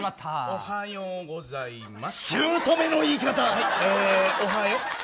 おはようございます。